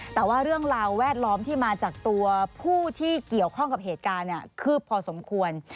แต่ว่าเรื่องราวแวดล้อมที่มาจากตัวผู้ที่เกี่ยวข้องกับเหตุการณ์คืบพอสมควร